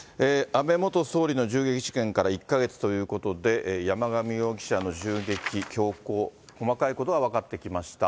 安倍元総理の銃撃事件から１か月ということで、山上容疑者の銃撃、凶行、細かいことが分かってきました。